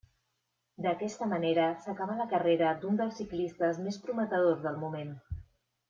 D'aquesta manera s'acabà la carrera d'un dels ciclistes més prometedors del moment.